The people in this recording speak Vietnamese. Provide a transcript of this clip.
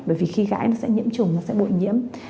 bởi vì khi gãi nó sẽ nhiễm trùng nó sẽ bội nhiễm